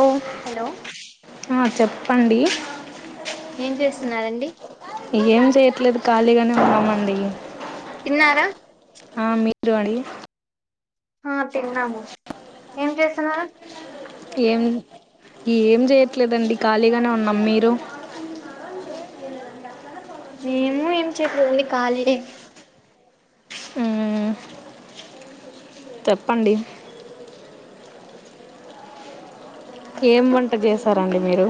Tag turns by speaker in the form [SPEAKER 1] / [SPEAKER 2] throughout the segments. [SPEAKER 1] Hello
[SPEAKER 2] hello
[SPEAKER 1] ఆ చెప్పండి
[SPEAKER 2] ఏం చేస్తున్నారండి
[SPEAKER 1] ఏం చేయట్లేదు ఖాళీగానే ఉన్నామండి
[SPEAKER 2] తిన్నారా
[SPEAKER 1] ఆ మీరు అండి
[SPEAKER 2] ఆ తిన్నాము ఏం చేస్తున్నారు
[SPEAKER 1] ఏం ఏం చేయట్లేదండి ఖాళీగానే ఉన్నాం మీరు
[SPEAKER 2] మేము ఏం చేయదండి ఖాళీ ఏ
[SPEAKER 1] మ్మ్ చెప్పండి ఏం వంట చేసారండి మీరు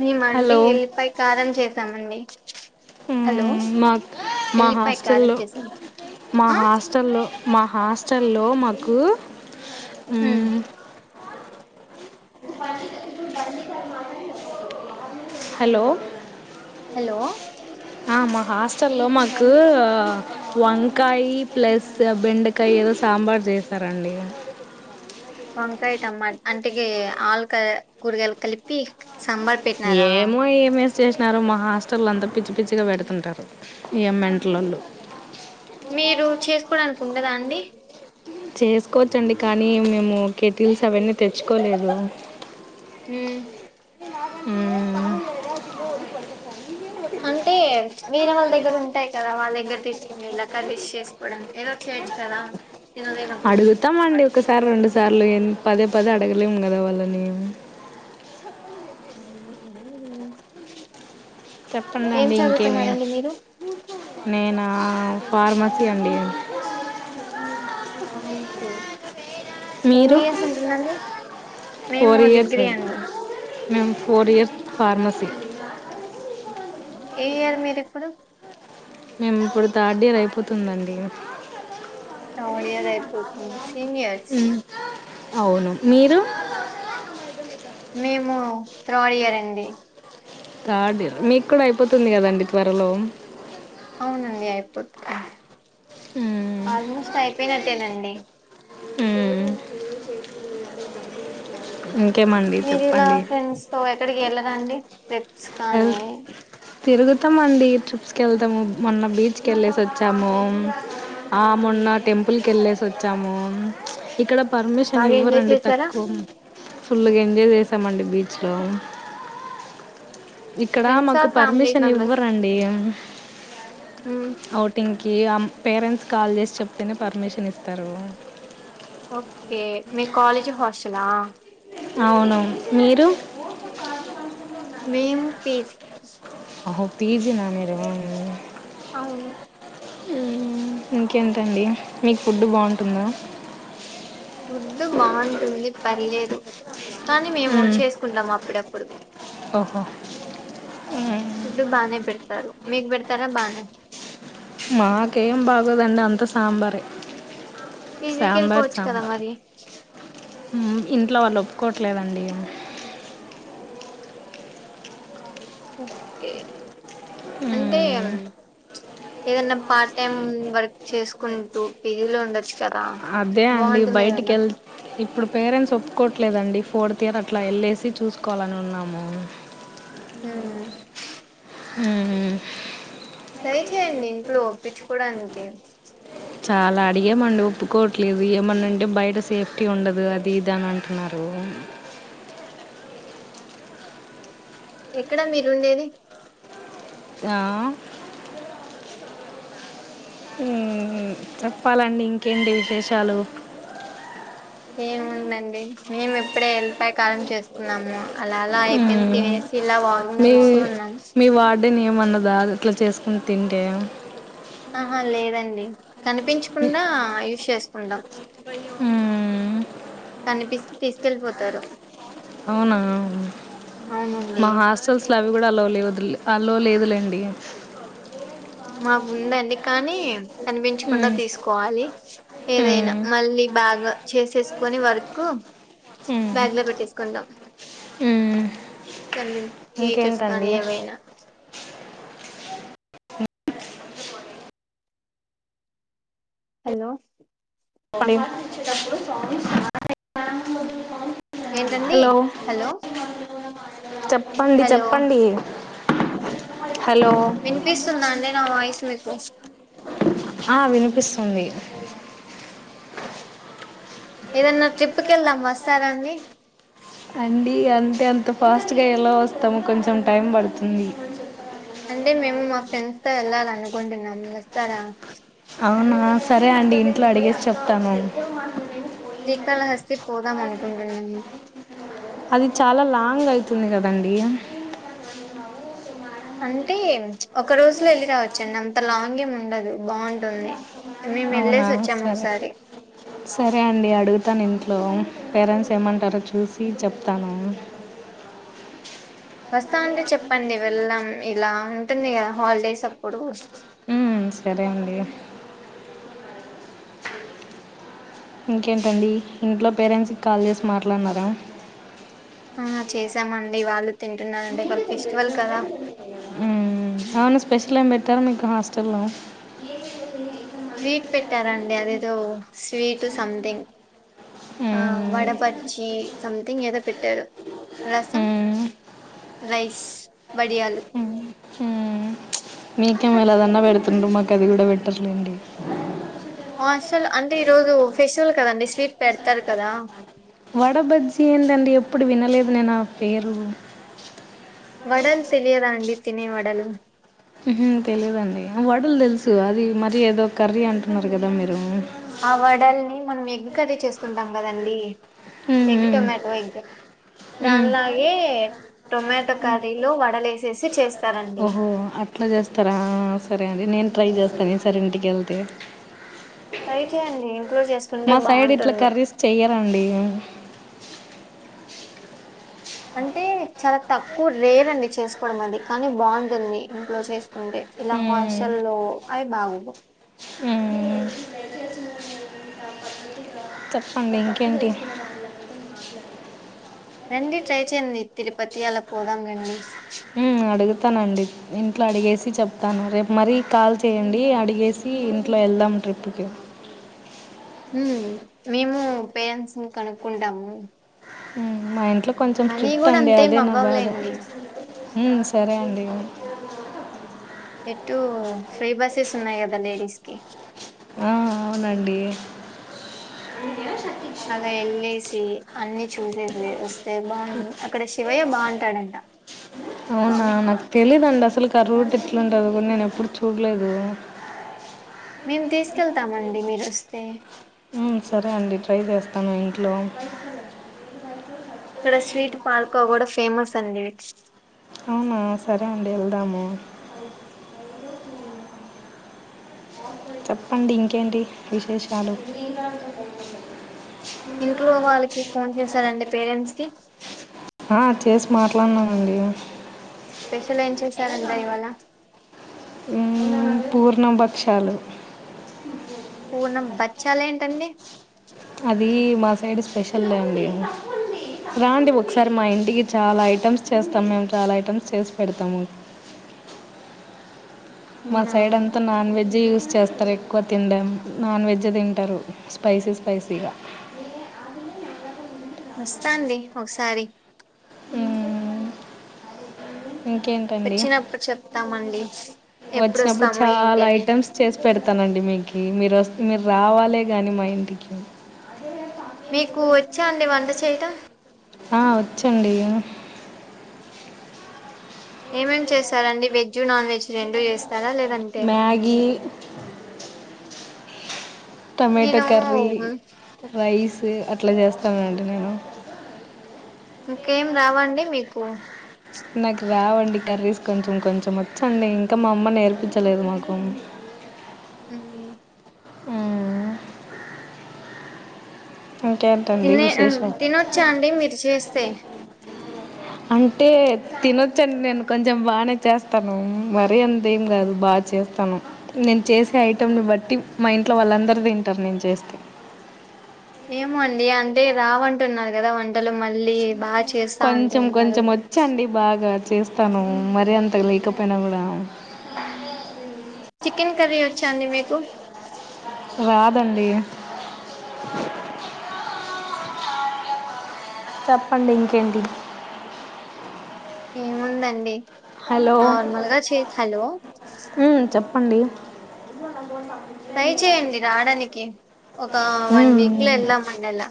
[SPEAKER 2] మేమ అండి
[SPEAKER 1] హలో
[SPEAKER 2] వెల్లి పై కారం చేసామండి హలో
[SPEAKER 1] మాకు మా
[SPEAKER 2] ఎల్లిపాయ కారం
[SPEAKER 1] హాస్టల్లో
[SPEAKER 2] చేసాం
[SPEAKER 1] మా
[SPEAKER 2] ఆ
[SPEAKER 1] హాస్టల్లో మా హాస్టల్లో మాకు
[SPEAKER 2] హమ్
[SPEAKER 1] మ్మ్ హలో
[SPEAKER 2] హలో
[SPEAKER 1] ఆ మా హాస్టల్ లో మాకు వంకాయ ప్లస్ బెండకాయ ఏదో సామ్ ఇందాక చేశారండి
[SPEAKER 2] వంకాయ టమాట అంటకి ఆలుకా కూరగాయలు కలిపి సాంబార్ పెట్టినారా
[SPEAKER 1] ఏమో ఏమేస్ చేసినారు మా హాస్టళ్ల్లో అంతా పిచ్చి పిచ్చిగా పెడుతుంటారు ఎం మెంటల్లోలో
[SPEAKER 2] మీరు చేసుకోవడానికి ఉండదా అండి
[SPEAKER 1] చేసుకోవచ్చండి కానీ మేము కేెటిల్స్ అవన్నీ తెచ్చుకోలేదు
[SPEAKER 2] మ్
[SPEAKER 1] మ్మ్.
[SPEAKER 2] అంటే వీరే వాళ్ళ దగ్గర ఉంటాయి కదా వాళ్ళ దగ్గర తీసుకునేలా కర్రీస్ చేసుకోడనికి ఏదో తెచ్చు కదా తినలేనప్పుడు
[SPEAKER 1] అడుగుతామండి ఒకసారి రెండు సా సార్లు ఎం పదే పదే అడగలేం కదా వాళ్ళనీ
[SPEAKER 2] ఏమో తెలీదే
[SPEAKER 1] చెప్పండండి ఇంకేమి
[SPEAKER 2] మీరు
[SPEAKER 1] నేనా ఫార్మసి అండి
[SPEAKER 2] అంతే టెన్
[SPEAKER 1] మీరు
[SPEAKER 2] ఇయర్స్ వుంటుండండి
[SPEAKER 1] ఫోర్ ఇయర్స్ మేము ఫోర్ ఇయర్స్ ఫార్మసీ
[SPEAKER 2] ఏ ఇయర్ మీరు ఇప్పుడు
[SPEAKER 1] మేము ఇప్పుడు థర్డ్ ఇయర్ అయిపోతుందండి
[SPEAKER 2] నవ ఇయర్ అయిపోతు సీనియర్స్
[SPEAKER 1] మ్మ్. అవును మీరు
[SPEAKER 2] మేము త్రోడియారంండి
[SPEAKER 1] కాడ మీకు కూడా అయిపోతుంది కదండి త్వరలో
[SPEAKER 2] అవునండి అయిపోతు
[SPEAKER 1] మ్మ్.
[SPEAKER 2] ఆల్మోస్ట్ అయిపోయినట్టేనండి
[SPEAKER 1] మ్మ్. ఇంకేమండి
[SPEAKER 2] మీరి ఇలా
[SPEAKER 1] చెప్పండి
[SPEAKER 2] ఫ్రెండ్స్ తో ఎక్కడికి వెళ్ళరాా అండి ట్రిప్స్
[SPEAKER 1] ఎ
[SPEAKER 2] కానీ
[SPEAKER 1] తిరుగుతామండి ట్రిప్స్కి వెళ్తా మొత్తము మొన్న బీచ్ కె వెళ్ళేసి వచ్చాము ఆ
[SPEAKER 2] అవును.
[SPEAKER 1] మొన్న టెంపుల్ క వెళ్ళ వచ్చాము ఇక్కడ పర్మిషన్
[SPEAKER 2] బాగా ఎంజాయ్
[SPEAKER 1] ఇవ్వరండి
[SPEAKER 2] చేసారా
[SPEAKER 1] తక్కువ ఫుల్గా ఎంజాయ్ చేసామండి బీచ్లో ఇక్కడ
[SPEAKER 2] ఫ్రెండ్స్
[SPEAKER 1] మాకు
[SPEAKER 2] ఆర్ ఫ్యామిలీ
[SPEAKER 1] పర్మిషన్
[SPEAKER 2] మెంబర్స్
[SPEAKER 1] ఇవ్వరండి అఔటింగ్ అమ్ పేరెంట్స్ కాల్ చేసి చెప్తేనే పర్మిషన్ ఇస్తారు
[SPEAKER 2] ఓకే మీ కాాలేజ్ హాస్టలా
[SPEAKER 1] అవును మీరు
[SPEAKER 2] మేము పేసి
[SPEAKER 1] అహో పీజనానే రవాము
[SPEAKER 2] అవును
[SPEAKER 1] ఇంకేంతండి మీకు ఫుడ్ బాగుంటుంద
[SPEAKER 2] ఫుడ్డు బాగుంటుంది పర్లేదు కానీ మేము
[SPEAKER 1] ఉమ్
[SPEAKER 2] చేసుకుంటాం అప్పుడప్పుడు
[SPEAKER 1] ఓహో
[SPEAKER 2] ఇద్డు బానే పెడతారు మీకు పెడతారా బానే
[SPEAKER 1] మాకేం బాగోదండి అంత సాంబారే
[SPEAKER 2] పీజీకి
[SPEAKER 1] సాబార్
[SPEAKER 2] వెళ్ళిపోవచ్చు కదా
[SPEAKER 1] సాబార్
[SPEAKER 2] మరి
[SPEAKER 1] ఇంట్లో వాళ్ళు ఒప్పుకోవట్లేదండి
[SPEAKER 2] ఓకే అంటే ఏదన్నా పార్ట్ టైం వర్క్ చేసుకుంటూ పీజీ లో ఉండచ్చు
[SPEAKER 1] అదే అండి బయటికి వెళ్ ఇప్పుడు పేరెంట్స్ ఒప్పుకోవట్లేదండి ఫోర్త్ ఇయర్ అట్లా వెళ్ళేసి చూసుకోవాలని ఉన్నాము
[SPEAKER 2] ఆ
[SPEAKER 1] అ
[SPEAKER 2] అ చేయండి ఇంట్లో ఒప్పించుకోవడానికి
[SPEAKER 1] చాలా అడిగమండి ఒప్పుకోవట్లేదు ఏమన్నాంటే బయట సేఫ్టీ ఉండదు అది ఇది అని అంటున్నారు
[SPEAKER 2] ఎక్కడా మీరు ఉండేది
[SPEAKER 1] ఆ చెప్పాలండి ఇంకేంటి విశేషాలు
[SPEAKER 2] ఏముందండి మేము ఎప్పుడే ఎల్లిపాయ కాలం చేసుకున్నాము అలా అలా అయిపోయింది
[SPEAKER 1] మ్మ్
[SPEAKER 2] తినేసి ఇలా వాకింగ్ చేస్త ఉన్నాను
[SPEAKER 1] అంటే నిమ అన్నదా ఇట్లా చేసుకుని తింటే
[SPEAKER 2] ఆహా లేదండి కనిపించకుండా యూస్ చేసుకుంటాం
[SPEAKER 1] మ్మ్
[SPEAKER 2] కనిపి తీసుకెళ్ళలిపోతారు
[SPEAKER 1] అవునా అవు
[SPEAKER 2] అవునండి.
[SPEAKER 1] మా హాస్టల్స్ లో అవి కూడా అలా లే వదులే అలో లేదులేండి
[SPEAKER 2] మాకు ఉందండి కానీ కనిపించకుండా
[SPEAKER 1] మ్మ్
[SPEAKER 2] తీసుకోవాలి ఏదైనా
[SPEAKER 1] మ్మ్
[SPEAKER 2] మళ్ళీ బ్యాగ్ చేసేసుకొని వర్క్
[SPEAKER 1] మ్మ్
[SPEAKER 2] బ్యాగ్ లో పెట్టేసుకునా
[SPEAKER 1] మ్మ్.
[SPEAKER 2] నీ హీటర్స్
[SPEAKER 1] ఇంకేంటండి
[SPEAKER 2] కానీ ఏవైనా హలో
[SPEAKER 1] ఓయ్
[SPEAKER 2] ఏంటండి హలో
[SPEAKER 1] చెప్పండి
[SPEAKER 2] హలో
[SPEAKER 1] చెప్పండి హలో
[SPEAKER 2] వినిపిస్తుందా అండి నా వాయిసు మీకు
[SPEAKER 1] ఆ వినిపిస్తుంది
[SPEAKER 2] ఏదన్నా ట్రిప్కి వెళ్దాం వస్తారాండి
[SPEAKER 1] అండి అంటే అంత ఫాస్ట్గా ఎలా వస్తాము కొంచెం టైం పడుతుంది
[SPEAKER 2] అంటే మేము మా ఫ్రెండ్స్ తో వెళ్ళాలి అనుకుంటున్నాం మీరు వస్తారా
[SPEAKER 1] అవునా సరే అండి ఇంట్లో అడిగేసి చెప్తాను
[SPEAKER 2] శ్రీకాళహస్తి పోదాం అనుకుంటున్నాము
[SPEAKER 1] అది చాలా లాంగ్ అవుతుంది కాదండి
[SPEAKER 2] అంటే ఒక రోజులో వెళ్ళి రావచ్చండి అంత లాంగేం ఉండదు బాగుంటుంది మేము
[SPEAKER 1] అవునా
[SPEAKER 2] వెళ్ళేసి వచ్చాము
[SPEAKER 1] సరే
[SPEAKER 2] ఒకసారి
[SPEAKER 1] సరే అండి అడుగుతాను ఇం లో పేరెంట్స్ ఏమంటారో చూసి చెప్తాను
[SPEAKER 2] వస్తా అంటే చెప్పండి వెళదాం ఇలా ఉంటుంది కదా హాలిడేస్ అప్పుడు
[SPEAKER 1] హ్మ్ సరే అండి ఇంకేంటండి ఇంట్లో పేరెంట్సకి కాల్ చేసి మాట్లాడినారా
[SPEAKER 2] ఆ చేశామండి వాళ్ళు తింటున్నరంట వాళ ఫెస్టివల్ కదా
[SPEAKER 1] మ్మ్, అవును స్పెషల్ ఏం పెట్టారు మీకు హాస్టల్
[SPEAKER 2] స్వీట్ పెట్టారాండి అదేదో స్వీటు సంథింగ్ ఆ
[SPEAKER 1] మ్మ్,
[SPEAKER 2] వడ బజ్జీ సంథంగ్ ఏదో పెట్టారు రసం
[SPEAKER 1] మ్మ్,
[SPEAKER 2] రైస్ వడియాలు
[SPEAKER 1] మ్మ్, మ్మ్. మీకేం అలాగాన పెడుతుండ్ర మాకు అది కూడా పెట్టర్లేండి
[SPEAKER 2] అస్సలు అంటే ఈ రోజు ఫెస్టివల్ కదండి స్వీట్ పెడతారు కదా
[SPEAKER 1] వడబజ్జి ఏందండి ఎప్పుడు వినలేదు నేను ఆ పేరు
[SPEAKER 2] వడలు తెలియదా అండి తినే వడలు
[SPEAKER 1] తెలిదండి వడలు తెలుసు అది మర ఏదో కర్రీ అంటున్నారు కదా మీరు
[SPEAKER 2] ఆ వడల్ని మనం ఎగ్ కరీ చేసుకుంటాం కదండి egg
[SPEAKER 1] um,
[SPEAKER 2] tomato egg
[SPEAKER 1] um.
[SPEAKER 2] దానిలాగే టొమాటో కర్రీలు వడలే వేసేసి చేస్త
[SPEAKER 1] ఓహో అట్లా చేస్తారా సరే అండి నేను ట్రై చేస్తాను ఈసారి ఇంటికెళ్తా తే
[SPEAKER 2] ట్రై చేయండి ఇంట్లో చేసుకుంటే
[SPEAKER 1] మా సైడ్ ఇట్లా
[SPEAKER 2] బాగుంటుంది
[SPEAKER 1] కర్రీస్ చెయ్యరండి
[SPEAKER 2] అంటే చాలా తక్కువ రేర్ అండి చేసుకోవడం అది కానీ బాగుంటుంది ఇంట్లో చేసు కుంటే ఇలా హాస్టల్లో అవి బాగోదు
[SPEAKER 1] ఉమ్. చెప్పండి ఇంకేంటి
[SPEAKER 2] రండి ట్రై చేయండి తిరుపతి అలా పోదాం రండి
[SPEAKER 1] అడుగుతానండి ఇంట్లో అడిగేసి చెప్తాను రేపు మరీ కాల్ చేయండి అడిగేసి ఇంట్లో వెళ్దాం ట్రిప్కి
[SPEAKER 2] మేము పేరెంట్స్ ను కనుక్కుంటాము
[SPEAKER 1] మా ఇంట్లో కొంచెం
[SPEAKER 2] మనీ
[SPEAKER 1] స్ట్రిక్ట్
[SPEAKER 2] కూడా
[SPEAKER 1] అండి
[SPEAKER 2] అంతేం
[SPEAKER 1] అదే నా బాధ
[SPEAKER 2] అవ్వవులేండి
[SPEAKER 1] హ్మ్ సరే అండి
[SPEAKER 2] ఎటు ఫ్రీ బస్సెస్ ఉన్నాయికదా లేడీస్కి
[SPEAKER 1] ఆ అవునండి
[SPEAKER 2] అలా వెళ్ళేసి అన్ని చూసేసి వ చేదాం బాగు అక్కడ శివయ్య బాగుంటాడంట
[SPEAKER 1] అవునా
[SPEAKER 2] స్వామి
[SPEAKER 1] నాకు తెలీదండి అసలుకి ఆ రూట్ ఎట్లుంటుంది కూడా నేను ఎప్పుడు చూడలేదు
[SPEAKER 2] మేము తీసుకెళ్తామండి మీరుస్తే
[SPEAKER 1] ఉమ్ సరే అండి ట్రై చేస్తాను ఇంట్లో
[SPEAKER 2] ఇక్కడ స్వీట్ పార్కో కూడా ఫేమస్ అండి
[SPEAKER 1] అవునా సరే అండి వెళ్దాము చెప్పండి ఇంకేంటి విశేషాలు
[SPEAKER 2] ఇంట్లో వాళ్ళకి ఫోన్ చేసారండి పేరెంట్స్ కి
[SPEAKER 1] ఆ చేసి మాట్లాడునానండి
[SPEAKER 2] స్పెషల్ ఏం చేసారండి ఇవాళ
[SPEAKER 1] పూర్ణ భక్షాలు
[SPEAKER 2] పూర్ణం బచ్చాల ఏంటండి
[SPEAKER 1] అది మా సైడ్ స్పెషల్ అండి రా అండి ఒకసారి మా ఇంటికి చాలా ఐటమ్స్ చేస్తాం మేము చాలా ఐటమ్స్ చేసి పెడతాము మా
[SPEAKER 2] అవునా
[SPEAKER 1] సైడ్ అంతా నాన్ వెజి యూస్ చేస్తారు ఎక్కువ తింం నాన్ వెజ్ తింటారు స్పైసీ స్పైసీగా
[SPEAKER 2] మస్త అండి ఒకసారి
[SPEAKER 1] ఆ
[SPEAKER 2] వచ్చినప్పుడు చెప్తామండి ఎప్పుడు
[SPEAKER 1] వచ్చినప్పుడు
[SPEAKER 2] వస్తాము ఏంటి
[SPEAKER 1] చాలా
[SPEAKER 2] అని
[SPEAKER 1] ఐటమ్స్ చేసి పెడతానండి మీకు మీరు వ మీరు రావాలే కానీ మా ఇంటికి
[SPEAKER 2] మీకు వచ్చా అండి వంట చేయట
[SPEAKER 1] ఆ వచ్చండి
[SPEAKER 2] ఏమేం చేశారండి వెజ్ నాన్ వెజ్ రెండు చేస్తారా లేదంటే
[SPEAKER 1] మ్యాగీ టొమాటో
[SPEAKER 2] నేను
[SPEAKER 1] కర్రీ రైస్ అట్లా చేస్తామండి నేను
[SPEAKER 2] ఇంకేం రావండి మీకు
[SPEAKER 1] నాకు రావండి కర్రీస్ కొంచెం కొంచెం వచ్చండి ఇంకా మా అమ్మ నేర్పించలేదు మాకు
[SPEAKER 2] అ
[SPEAKER 1] ఆ
[SPEAKER 2] తినే
[SPEAKER 1] విశేషం
[SPEAKER 2] తినొచ్చా అండి మీరు చేస్తేయి
[SPEAKER 1] అంటే తినొచ్చండి నేను కొంచెం బాగా చేస్తాను మరీ అంతేం కాదు బాగా చేస్తాను నేను చేసే ఐటెంని బట్టి మా ఇంట్లో వాళ్ళందరు తింటారు నేను చేస్తే
[SPEAKER 2] ఏమ అండి అంటే రావంటున్నారు కదా వంటలు మళ్ళీ బాగా చేస్తా
[SPEAKER 1] కొంచెం
[SPEAKER 2] అంటున్నారు
[SPEAKER 1] కొంచెం వచ్చండి బాగా చేస్తాను మర అంత లేకపోయినా కూడా
[SPEAKER 2] తర వచ్చాండి మీకు
[SPEAKER 1] రాదండి చెప్పండి ఇంకేంటి
[SPEAKER 2] ఏముందండి
[SPEAKER 1] హలో
[SPEAKER 2] నార్మల్గా చే హలో
[SPEAKER 1] అండి
[SPEAKER 2] ట్రై చేయండి రావడానికి ఒక వన్
[SPEAKER 1] ఉమ్
[SPEAKER 2] వీక్ లో వెళ్ళామ అండి అలా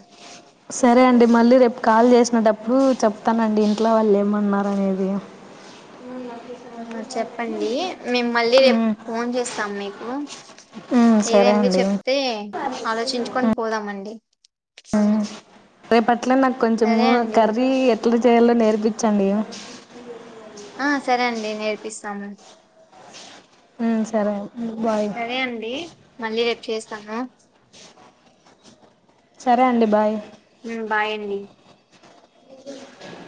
[SPEAKER 1] సరే అండి మళ్ళీ రేపు కాల్ చేసినటప్పుడు చెప్తానండి ఇంట్లో వాళ్ళు ఏమన్నారునేది అవును
[SPEAKER 2] ఆ చెప్పండి మేము మళ్ళీ రేపు
[SPEAKER 1] ఉమ్
[SPEAKER 2] ఫోన్ చేస్తాం మీకు
[SPEAKER 1] ఉమ్ సరే
[SPEAKER 2] ఏదండి
[SPEAKER 1] అండి
[SPEAKER 2] చెప్తే ఆలోచించుకొని
[SPEAKER 1] ఉమ్.
[SPEAKER 2] పోదామండి
[SPEAKER 1] రేప అట్ల నాకు
[SPEAKER 2] సరే
[SPEAKER 1] కొంచెము
[SPEAKER 2] అండి
[SPEAKER 1] కర్రీ ఎట్లా చేయాలో నేర్పించండి
[SPEAKER 2] ఆ సరే అండి నేర్పిస్తాము
[SPEAKER 1] ఉమ్, సరే బాయ్
[SPEAKER 2] సరే అండి మళ్ళీ రేపు చేస్తాము
[SPEAKER 1] సరే అండి బాయ్
[SPEAKER 2] మ్ బాయండి
[SPEAKER 1] ఇ